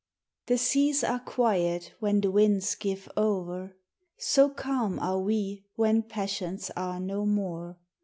The seas are quiet when the winds give o'er ; So calm are we when passions are no more.